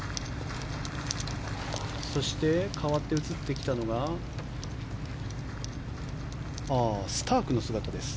そしてかわって映ってきたのがスタークの姿です。